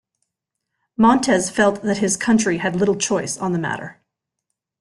Montes felt that his country had little choice on the matter.